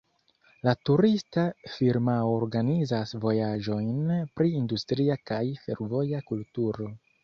La turista firmao organizas vojaĝojn pri industria kaj fervoja kulturo.